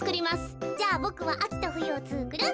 じゃあボクはあきとふゆをつくる。